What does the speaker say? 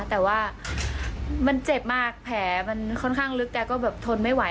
แต่ว่ามันเจ็บมากแผลมันค่อนข้างลึกแกก็แบบทนไม่ไหว